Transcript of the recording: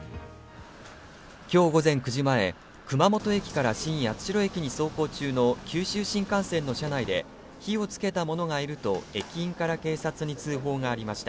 今日午前９時前、熊本駅から新八代駅に走行中の九州新幹線の車内で火をつけた者がいると駅員から警察に通報がありました。